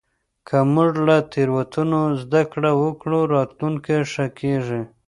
که موږ له تېروتنو زدهکړه وکړو، راتلونکی ښه کېږي.